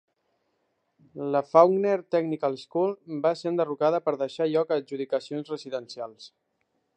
La Fawkner Technical School va ser enderrocada per deixar lloc a adjudicacions residencials.